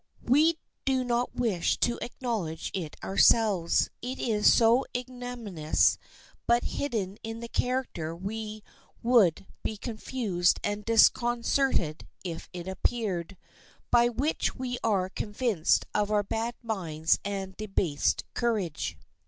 We do not wish to acknowledge it ourselves, it is so ignominious, but hidden in the character we would be confused and disconcerted if it appeared; by the which we are convinced of our bad minds and debased courage.